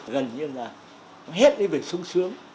gần như là hết đi về sống sướng